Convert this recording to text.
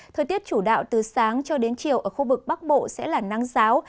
thời tiết chủ đạo từ sáng cho đến chiều ở khu vực bắc bộ sẽ là nắng giáo